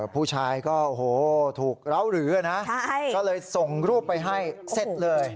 ผู้ชายก็โอ้โหถูกร้าวหรือนะก็เลยส่งรูปไปให้เสร็จเลย